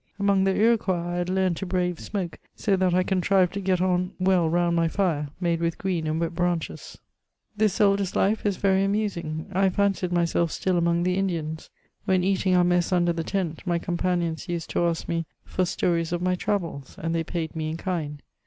Among the Iroquois I had learned to. brave smoke, so that I contrived to get on well round my fire,, made with green and wet branches. This soldier's life is very amusing. I fancied myself still among the Indians. When eating our mess under the tent, my companions used to ask me 342 KEMOIBS OF Ibr fltoiies of my travels, and they paid me in kind.